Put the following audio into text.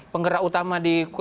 penggerak utama di